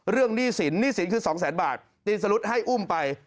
หนี้สินหนี้สินคือ๒แสนบาทตีนสลุดให้อุ้มไป